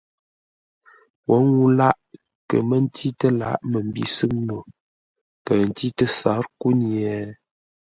Wǒ ŋuu lâʼ kə̌ mə́ ntî tə́ lǎghʼ məmbî sʉ́ŋ no, kəʉ ntî tə́ sǎr kúnye?